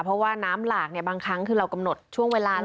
เพราะว่าน้ำหลากบางครั้งคือเรากำหนดช่วงเวลา